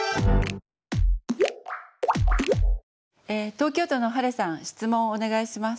東京都のはれさん質問をお願いします。